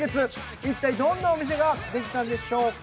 一体どんなお店ができたんでしょうか？